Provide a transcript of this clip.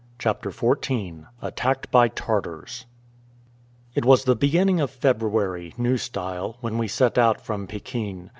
CHAPTER XIV ATTACKED BY TARTARS It was the beginning of February, new style, when we set out from Pekin.